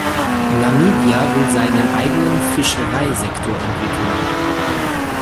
Namibia will seinen eigenen Fischereisektor entwickeln.